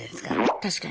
確かに。